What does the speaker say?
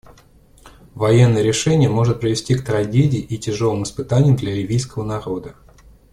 Военное решение может привести к трагедии и тяжелым испытаниям для ливийского народа.